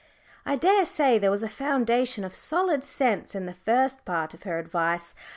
I daresay there was a foundation of solid sense in the first part of her advice.